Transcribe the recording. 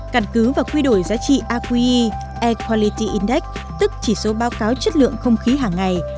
cản cứ và quy đổi giá trị aqe air quality index tức chỉ số báo cáo chất lượng không khí hàng ngày